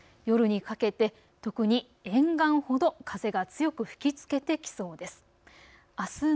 夜にかけて特に沿岸ほど風が強く吹きつけてきそうです。